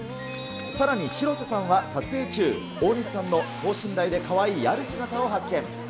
さらに、広瀬さんは撮影中、大西さんの等身大でかわいいある姿を発見。